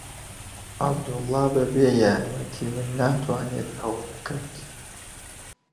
عەبدوڵڵا بەبێ یارمەتیی من ناتوانێت ئەوە بکات.